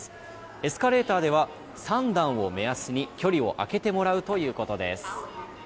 エスカレーターでは３段を目安に距離を開けてもらうということです。